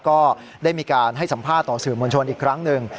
ก็ได้มีการให้สัมภาษณ์ต่อสื่อมวลชนอีกครั้งหนึ่ง